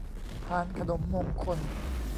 พานขนมมงคล